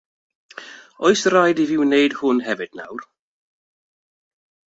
Oes raid i fi wneud hwn hefyd nawr?